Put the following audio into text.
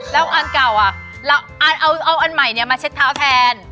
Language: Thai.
แล้วอันเก่าเอาอันใหม่มาเช็ดเท้าแทน